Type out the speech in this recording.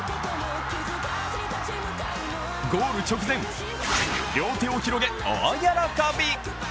ゴール直前、両手を広げ大喜び。